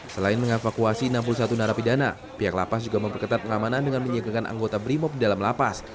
selain mengevakuasi enam puluh satu narapidana pihak lapas juga memperketat pengamanan dengan menyiagakan anggota brimob di dalam lapas